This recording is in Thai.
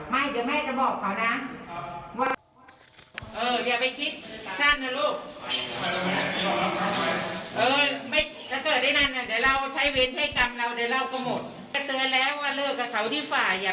มันเกิดขึ้นแล้วจะให้พวกพี่ทำยังไง